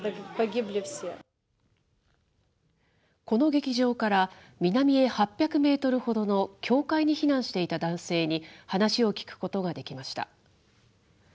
この劇場から南へ８００メートルほどの教会に避難していた男性に話を聞くことができました。